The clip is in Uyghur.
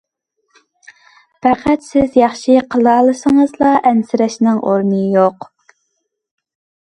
پەقەت سىز ياخشى قىلالىسىڭىزلا ئەنسىرەشنىڭ ئورنى يوق.